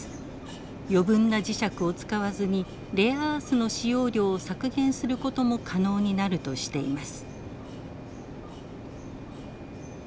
余分な磁石を使わずにレアアースの使用量を削減することも可能になるとしています。